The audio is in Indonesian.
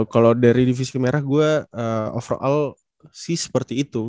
kalau dari divisi merah gue overall sih seperti itu